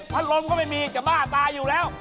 ลมก็ไม่มีจะบ้าตายอยู่แล้ว